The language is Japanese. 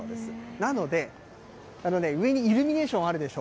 なので、あのね、上にイルミネーションあるでしょ。